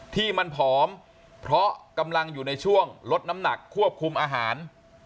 ที่มันผอมเพราะกำลังอยู่ในช่วงลดน้ำหนักควบคุมอาหาร